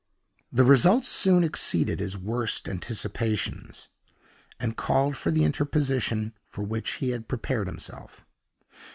The results soon exceeded his worst anticipations, and called for the interposition for which he had prepared himself.